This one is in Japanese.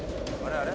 あれ？